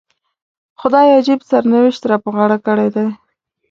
خدای عجیب سرنوشت را په غاړه کړی دی.